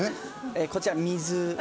こちら、水。